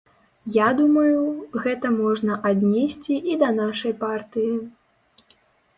Я думаю, гэта можна аднесці і да нашай партыі.